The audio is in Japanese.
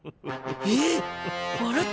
えっ？